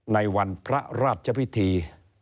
ในวันพระราชพิธี